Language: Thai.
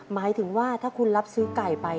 หมายถึงว่าถ้าคุณรับซื้อไก่ไป